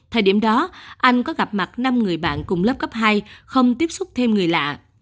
thời điểm đó anh có gặp mặt năm người bạn cùng lớp cấp hai không tiếp xúc thêm người lạ